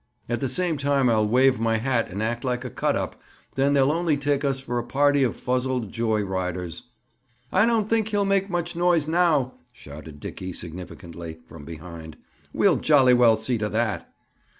"At the same time I'll wave my hat and act like a cut up. Then they'll only take us for a party of fuzzled joy riders." "I don't think he'll make much noise now," shouted Dickie significantly, from behind. "We'll jolly well see to that."